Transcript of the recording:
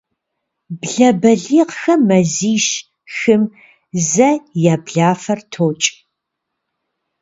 Блэ балигъхэм мазищ-хым зэ я блафэр токӏ.